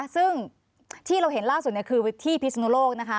ซึ่งที่เราเห็นล่าสุดคือที่พิศนุโลกนะคะ